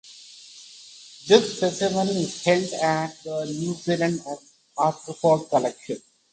This specimen is held at the New Zealand Arthropod Collection.